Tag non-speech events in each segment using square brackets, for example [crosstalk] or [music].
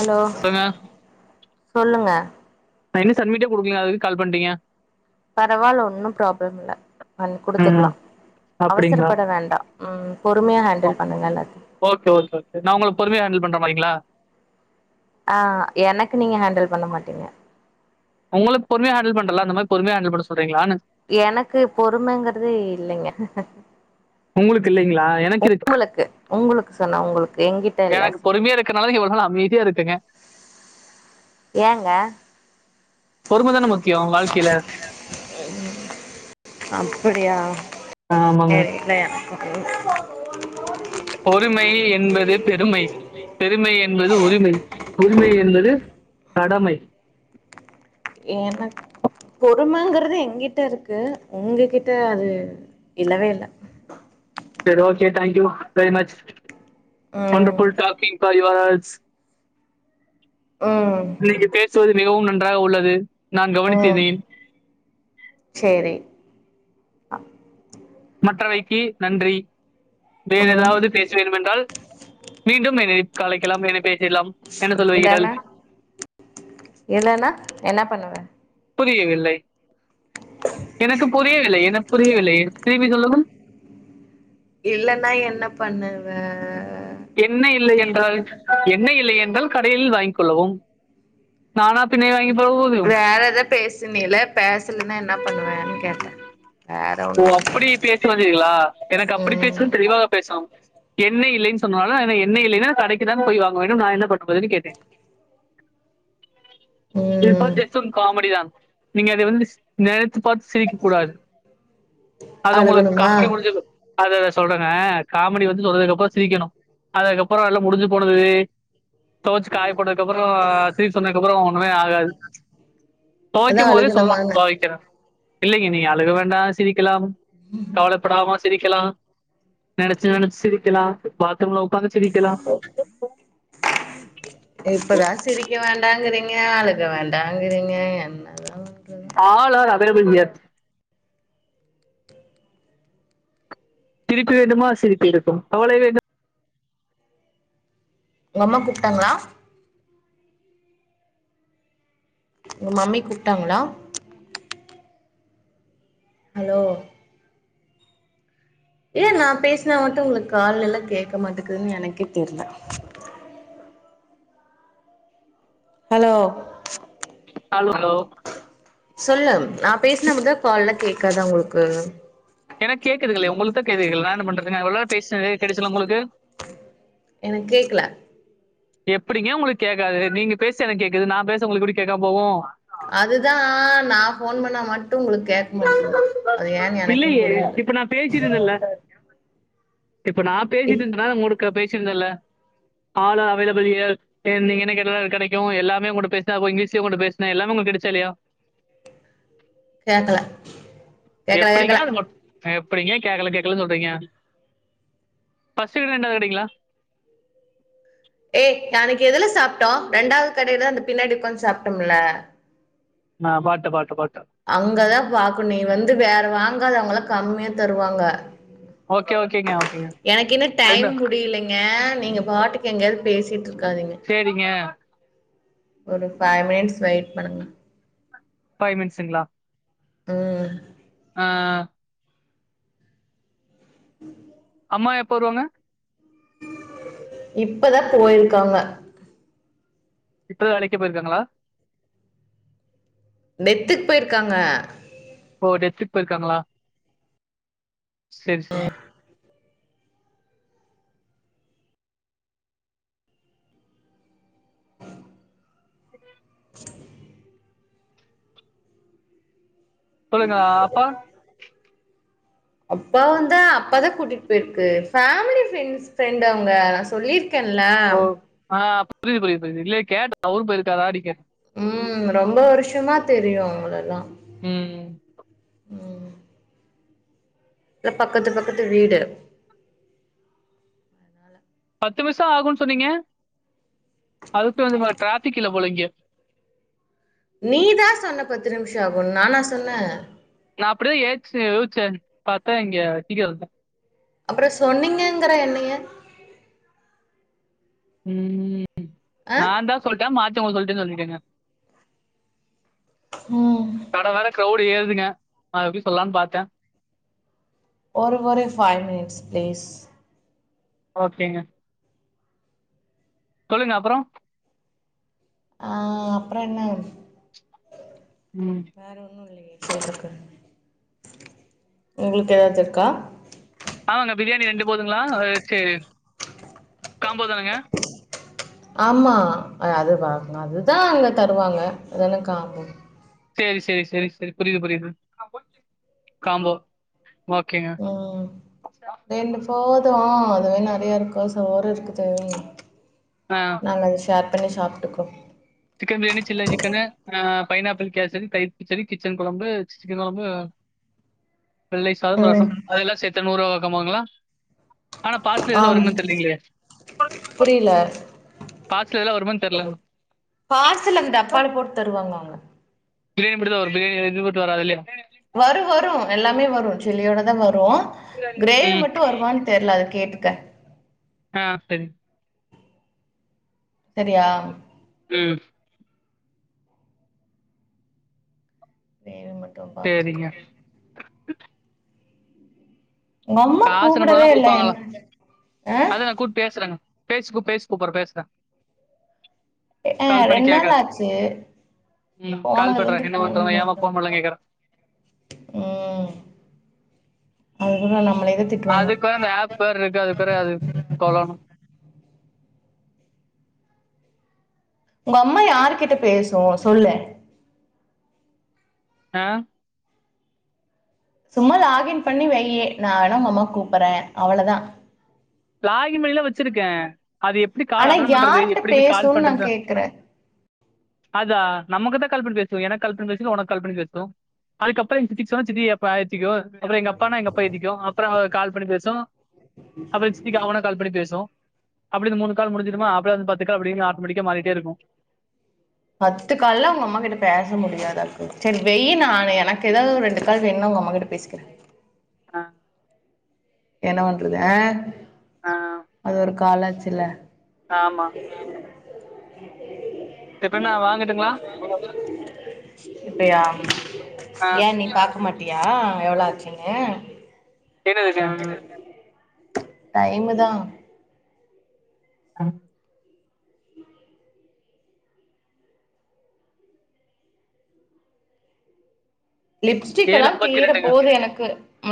Hello சொல்லுங்க சொல்லுங்க நா இன்னு சன்மிட்டே குடுக்ல அதுக் கால் பண்ட்டீங்க பரவால்ல ஒன்னு ப்ராப்ளம் இல்ல பண்ணி ம் குடுத்துக்லாஅவசரப்பட வேண்டா ம் பொறுமையா ஓ ஹேண்டில் பண்ணுங்க எல்லாத்தையும் ஓகே ஓகே ஓகே நா உங்ளுக்கு பொறும்யா ஹேண்டில் பண்ற மாரிங்ளா அ எனக்கு நீங்க ஹேண்டில் பண்ண மாட்டீங்க உங்களுக் பொறும்யா ஹேண்டல் பண்றல்ல அந்த மாரி பொறும்யா ஹேண்டில் பண்ண சொல்றீங்ளான்னு எனக்கு பொறுமைங்கிறது இல்லங்க உங்குளுக்கு இல்லங்ளா எனக்கு இருக்கு உங்களுக்கு சொன்ன உங்களுக்கு எங்கிட்ட இல்ல எனக்கு சொன்ன பொறும்யா இருக்கனால இவள்லா மீதியா இருக்கங்க ஏங்க பொறும தான முக்கியோ வாழ்க்கையில அப்புடியா ஆமாங்க தெரில எனக்கு உரிமை என்பது பெருமை பெருமை என்பது உரிமை உரிமை என்பது கடமை ஏனக் போ ருமங்குறது எங்கிட்டருக்கு உங்ககிட்ட அது இல்லவே இல்ல சரி okay thank you very much ம் ஒண்டர்ஃபுல் டாக்கிங் ஃபார் யுவர் ம் சோது மிகவும் நன்றாக உள்ளது நான் ம் கவனித்தேன் சேரி அ மற்றவைக்கி நன்றி வேற ம் எதாவ்து பேச வேண்டுமென்றால் மீண்டும் இணை கலைக்கெலாம் [unintelligible] இல்லன்னா இல்லன்னா என்ன பண்ணுவ புரியவில்லை எனக்கு புரியவில்லை எனக் புரியவில்லை திரும்பி சொல்லவும் இல்லன்னா என்ன பண்ணுவ என்ன இல்லை என்றால் என்ன இல்லை என் றால் கடையில் வாய்ங்க் கொள்ளவும் நானா பின்னே வாங்கி போதும். வேற எதாது பேசுனில பேசலன்னா என்ன பண்ணுவேன் கேட்ட ஓ அப்படி பேச வந்தீர்களா எனக்கு அப்படி பேசுன் ம் தெளிவாக பேசவும் என்ணெய் இல்லேன் சொன்னால என்னை எண்ணெ இல்லேன்னா கடைக்கு தா போய் வாங்க வேண்டும் நா என்ன பண் [inaudible] போதுன்னு கேட்ட ம் [inaudible] காமெடி தான் நீங்க அது வந்து [unintelligible] த்து பாத்து சிரிக்க கூடாது அது அழுகணுமா உங்குளுக் [inaudible] அதத சொல்றங்க காமெடி வந்து சொன்னறதுக்குப்புறோ சிரிக்கனோ அதுக்கப்பறோ எல்லா முடிஞ்சு போனது தொவச்சு காய போட்டதுகப்பறோ சிரிக் சொன்னதுக்கப்புறோ ஒண்ணுமே ஆகாது அதா தோய்க்கும் போதே சொல் [inaudible] அழுகணுமான்னு தொவக்கிறே இல்லேங்க நீங்க அழுக வேண்டா சிரிக்கலாம் கவலைப்படாமா சிரிக்கலாம் நெனச்சு நெனச் சிரிக்கலாம் பா த்ரூம்ல உக்காந்து சிரிக்கலா [unintelligible] வேண்டாங்குறீங்க என்னதான் ஆவார் அவைலபிள் இன் யெர்த் சிரிப்பு வேண்டுமா சிரிப்பிருக்கும் கவலை வேண்டு உங் அம்மா கூப்ட்டாங்ளா உங்க மம்மி கூப்ட்டாங்ளா ஹலோ ஏ நா பேஸ்னா மட்டு உங்ளுக் காத்லெல்லா கேட்க மாட்டக்குன் எனக்கே தெரில ஹலோ ஹலோ ஹலோ சொல்லு நா பேஸ்ன முத கால்ல கே க்காதா உங்குளுக்கு எனக்கு பேஸ்னதே கேட்டுச்சுங்ளா உங்குளுக்கு எனக் கேக்கல எப்படிங்க உங்குளுக் கேக்காது நீங்க பேசு எனக்கு கேக்குது நா பேச உங்குளுக் எப்டி கேக்காம் போவோ அதுதா நா ஃபோன் பண்ணா மட்டு உங்களுக்கு கேக் மாட்டக்குது அது ஏன் எனக்கு இல்லையே புரியல இப்ப நான் பேசிட்டு இருந்தேன்ல இப்ப நா இப் பேசிட்டுருக்கனா மூணு கபே சிருந்தல்ல ஆலு அவய்லப் பெரிய ஏன் நீங்க என்ன கேட்டாலு அது கெடைக்கு எல்லாமே உங்குட்ட பேஸ்ன அப்ற இங்கீஷ்லு உங்கட்ட பேஸ்ன எல்லாமே உங்ளுக் கேட்ச்சா இல்லயா கேக்கல கேக்கல எப்புடிங்க கேக்கல அது மட் எ எப்புடிங்க கேக்கல கேக்கல சொல்றீங்க ஃபிஸ்டு கிடு ரெண்டாவ்து கடிங்ளா ஏ நாளக்கு எதுல சாப்ட்டோ ரெண்டாவ்து கடைதா அந்த பின்னாடி உக்காந் சாப்ட்டம்ல அ பாட்ட பாட்ட பாட் அங்கதா கம்யா தருவாங்க ஓகே ஓகேங்க ஓகேங்க எனக்கு இன்ன ரெண்டு டைம் முடிய்லைங்க நீங்க பாட்டுக்கு எங்யாவ்து பேசிட்டுருக் சேரிங்க ஒரு ஃபைவ் மினிட்ஸ் வெயிட் பண்ணுங்க ஃபை மிட்ஸுங்ளா ம் அ அ அம்மா எப்போ வருவாங்க இப்பதா போயிருக்காங்க இப்பதா வேலக்கே போயிருக்காங்ளா டெத்துக் போய்ருக்காங்க ஓ டெத்துக் பய்ருக்காங்ளா சேர் சே சொல்லுங்க அப்பா அப்பாவுந்தா பத கூட்டிட் பேய்ருக்கு ஃபேமிலி ஃபிரெண்ஸ் ஃப் ரெண்ட் அவுங்க நா சொல்லிர் கென்ல புரிது புரிது புரிது இல்ல கேட்ட அவரு போய்ருக்காறானு கேட் ம் ரொம்ப வருஷமா தெரியு அவுங்ளல்லா ம் ம் இல்ல பக்கத்து பக்கத்து வீடு பத்து வர்ஷொ ஆகூன் சொன்னீங்க அதுக்குள் வந்து போ ட்ராஃபிக் இல்ல போல இங்க நீதா சொன்ன பத்து நிம்ஷொ ஆகுன் நானா சொன்ன நா அப்டிதா ஏன்சி யோச்ச பாத்தா இங்க [unintelligible] அப்பறோ சொன்னீங்கங்கற என்னைய ம் ம் ஆ நாந்தா சொல்ட்ட மாத் ட உங்கள் சொல்ட்டேன் சொல்லிட்டேங்க ம் கட வேற க்ரவுட் ஏதுங்க நா எப்டி சொல்லானு பாத்தேன் ஒரு ஒரு ஃபைவ் மினிட்ஸ் பிளீஸ் ஓகேங்க சொல்லுங்க அப்புறோ ஆ அப்புறோ ‌ என்ன ம் வேற ஒன்னும் இல்லிங்க சொல்லுங்க உங்குளுக்கு ஏதாவது இருக்கா ஆமாங்க பிரியாணி ரெண்டு போதுங்களா அஹ் சரி காம்போ தாங்க ஆமா அதுதா அதுதான் அங்க தருவாங்க அதான காரணம் செரி செரி செரி செரி புரிது புரிது காம்போ ஓகேங்க ம் ரெண்டு போதும் அதுவே நறையா இருக்கும் சோறு இருக்குது ஆ நாங்க அது ஷேர் பண்ணி சாப் டுக்கு சிக்கன் பிரியாணி சில்ல சிக்கனு அ பைனாப்பிள் கேசரி தயிர் பச்செடி கிச்சன் கொழம்பு சிக்கன் கொழம்பு வெள்ளை சாதம் ம். ரசம் அதெல்லாம் சேத்தா ஒரு காமாங்களா ஆனா பார்சல் எதுல ஆம். வருனே தெரிலீங்களே புரியல. பார்சல் எல்லாம் வருமானு தெரில பார்சல் அங்க டப்பால போட்டு தருவாங்க அவுங்க பிரியாணி மட்டும்தா வரும் பிரியாணி [unintelligible] வராது இல்லீயா வரும் வரும். எல்லாமே வரும். சில்லியோட தா வரு கிரேவி ம். மட்டு வருமான் தெர்ல அது கேட்டுக்க ஆ செரி செரியா ம் வேறன்ன சேரிங்க உங்கம்மா காசு அனுப்புனா கூப்டவே தான் இல்ல குடுப்பாங்களா? என்னாச்சு அ பேஸ்பு பேஸ்பு கூப் அப் பேசுறே அ அ ரெண் நாள் ஆச்சு ம். கால் போனதுல இருந்து பண்றேன். என்ன ஃபோன் பண்றாங்க? ஏம்மா பேசல ஃபோன் பண்ணலன்னு கேட்கறேன். ம் அதுவேனா அதுக்கு வேற அந்த ஆப் வேற இருக்கு அதுக்கு வேற அது சொல்லணு உங்க அம்மா யாரு கிட்ட பேசு சொல்லே அ சும்மா லாகின் பண்ணி வையி நா வேணா உங்க அம்மா கூப்றே அவ்ளோதா லாகின் பண்ணில்லா வச்சிருக்கே அது எப்டி கால் ஆனா அட்டன் பண்றது யார்ட்ட எப்டி போய் கால் பேசுன்னு நா பண்றது கேக்குறே அதா நமக்குதா கால் பண்ணி பேசு எனக்கு கால் பண்ணி பேசு இல்ல உனக்கு கால் பண்ணி பேசு அதுக்கப்பறோ எங்க சித்திக்கு சொன்னா சித்தியே பாசிக்கு அப்பறோ எங்க அப்பானா எங்கப்பா ஏத்திக்கு அப்பறோ கால் பண்ணி பேசு பிரித்திகா ஒனக்கு கால் பண்ணி பேசு அப்டி இந்த மூனு கால் முடிஞ்சிருமா அப்போ அந்த பத்து கால் அப்டியே ஆட்டமேட்டிக்கா மாறிட்டே இருக்கு பத்து கால்ல உங்க அம்மா கிட்ட பேச முடியாதாக்கு சேரி வெய் நா எனக்கு ஏதாவ்து ரெண்டு கால் வேணுனா உங்க அம்மா கிட்ட பேசிக்கிறே ஆஹ் என்ன பண்றது ஆ ஆ, அது ஒரு காலேஜ்ல ஆமா இப்ப என்னா வாங்கட்டுங்களா இப்பயா ஆ, ஏ நீ பாக்க மாட்டியா எவ்ளோ ஆச்சுனு [unintelligible] டைமு தா ஆ லிப்ஸ்டிக் ஏழு எல்லா ஐம்பத்தி தீர ரெண்டுங்க போது எனக்கு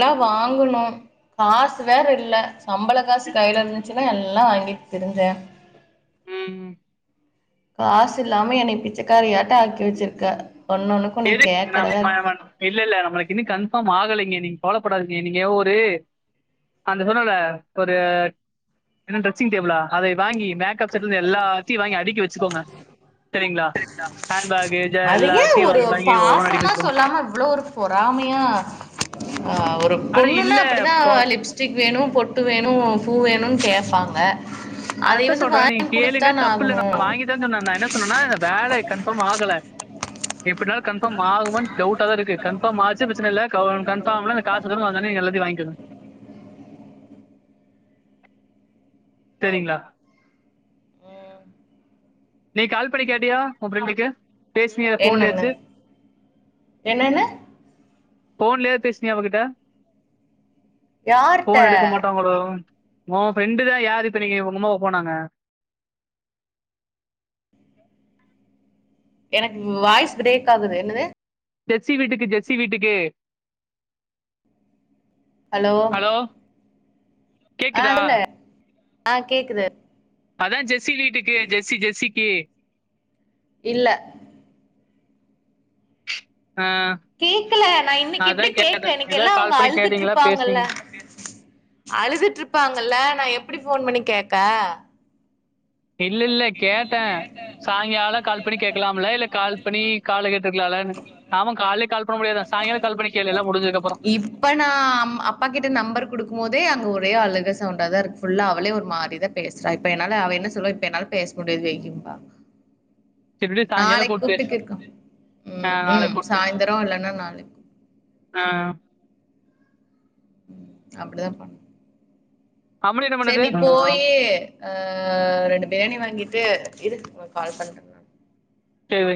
லாம் வாங்கணும் காசு வேற இல்லை நம்மள காசு கையையில் இரு எல்லாம் வாங்கிட்டு தெரிஞ்சேன் ம் காசு இல்லாம என்னை பிச்சைக்காரியாட்ட ஆக்கி வச்சிருக்க ஒன்னு ஒன்னுக்கு நீ எது கேக்கறதா நம்ம இருக்கு இல்ல இல்ல நம்மளுக்கு இன்னும் கன்ஃபார்ம் ஆகலை நீங்க போலப்படாதீங்க நீங்கவ அந்த சொன்னல ஒரு என்ன டெஸ்ஸிங் டேபிளா அதை வாங்கி மேக்கப் செட்னு எல்லாத்தையும் வாங்கி அடிக்கி வச்சுக்கோங்க சரிங்களா ஹேண்ட்பேக் அது ஏ எல்லாத்தையும் வாங்கி வாங்கி ஒவ்வொன்றும் அடுக்கி பாசமா வச்சுக்கோங்க சொல்லாம இவ்வளவு ஒரு பொறாமையாஹ் ஒரு அட பொண்ணுன்னா இல்ல அப்படிதான் போ லிப்ஸ்டிக் வேணும் பொட்டு வேணும் பூ வேணும்னு கேட்பாங்க அதத்தான் சொல்றேன் நீங்க கேளுங்க தப்புல ஆகணு நான் வாங்கி தான் சொன்னேன் நான் என்ன சொன்னேன்னா இந்த வேலை கன்பர்ம் ஆகல எப்டினாலு கன்ஃபார்ம் ஆகுமானு டவுட்டாதா இருக்கு கன்ஃபார்ம் ஆச்சு பிரச்ன இல்ல க கன்ஃபார்ம்ல காசுல்லன் வந்தொன்னே நீ எல்லாத்தயு வாங்க்கோனு சரிங்ளா நீ கால் பண்ணி கேட்டியா உ ஃப்ரண்டுக்கு என்னன்னு என்னன்னு ஃபோன்லயாது பேசுனியா அவகிட்ட ஃபோன் எடுக்க யார்ட்ட மாட்டாங்களோ உ ஃப்ரெண்டு தா யாரு ப்ப இன்னைக்கு உங்கம்மாவா போனாங்க எனக்கு வாய்ஸ் பிரேக் ஆகுது என்னது ஜெஸ்ஸி வீட்டுக்கு ஜெஸ்ஸி வீட்டுக்கு ஹலோ ஆ கேக்குதா சொல்லு ஆ கேக்குது அதா ஜெஸ்ஸி வீட்டுக்கு ஜெஸ்ஸி ஜெஸ்ஸிக்கு இல்ல ஆஹ் கேக்கல நா இன்னைக்கு எப்பிடி அதான் கேக்க கேட்டேன் இன்னைக்கு எல்லா ஏதாவது அவுங்க கால் பண்ணி அழுதுட்டு கேட்டீங்களா பேசுனீங்க இருப்பாங்கல்ல அழுதுட்டு இருப்பாங்கல்ல நா எப்பிடி ஃபோன் பண்ணி கேக்க இல்லல்ல கேட்ட சாய்ங்கால கால் பண்ணி கேக்கலாமுல்ல இல்ல கால் பண்ணி கால கேட்ருக்கலால ஆமா காலேல கால் பண்ண முடியாது சாங்கால கால் பண்ணி கேளு எல்லா முடிஞ்சதுக்கப்புற இப்ப நா அம் அப்பா ற சவுன்டா தா இருக்கு ஃபுல்லா அவளே ஒரு மாரிதா பேசறா இப்ப என்னால அவ என்ன சொல்லுவா இப்ப என்னால பேச முடியாது வெய்டிம்பா திருப்பி சாயங்காலம் நாளைக்கு கூப்பிட்டு கூப்ட்டு பேசு கேக்கோ ம் ஆஹ் நாளைக்கு ம் கூப்பிட்டு பேசு சாய்ந்தர இல்லனா நாளைக் ஆஹ் அப்டுதா பண் அம்மனி என்ன சேர் பண்ணுது நீ ஆஹ் போயி அ ரெண்டு பியாணி வாங்கிற் டு இருக் உங்க கால்ற நா சேரி வை